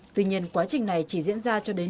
tuy nhiên quá trình này chỉ diễn ra cho đến